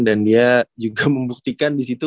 dan dia juga membuktikan disitu